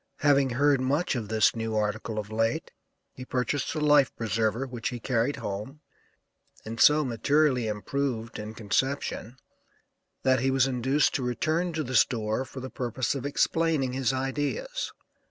Having heard much of this new article of late, he purchased a life preserver which he carried home and so materially improved, in conception, that he was induced to return to the store for the purpose of explaining his ideas.